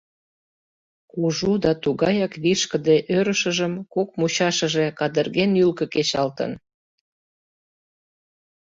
Кужу да тугаяк вишкыде ӧрышыжым кок мучашыже кадырген ӱлкӧ кечалтын.